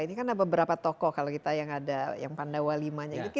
ini kan ada beberapa tokoh kalau kita yang ada yang pandawalimanya itu